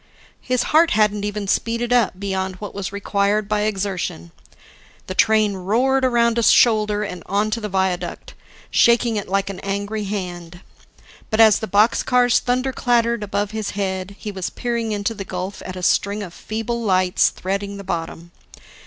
His heart hadn't even speeded up beyond what was required by exertion. The train roared around a shoulder and onto the viaduct, shaking it like an angry hand. But as the boxcars thunder clattered above his head, he was peering into the gulf at a string of feeble lights threading the bottom.